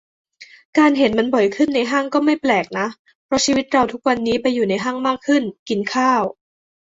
การเห็นมันบ่อยขึ้นในห้างก็ "ไม่แปลก" นะ เพราะชีวิตเราทุกวันนี้ไปอยู่ในห้างมากขึ้น กินข้าว